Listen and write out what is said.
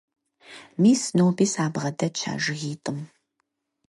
Мис, ноби сабгъэдэтщ а жыгитӀым.